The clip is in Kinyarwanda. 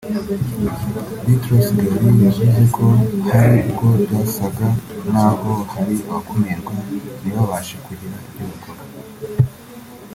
Boutros Ghali yavuze ko hari ubwo byasaga n’aho hari abakumirwa ntibabashe kugira ibyo bikorera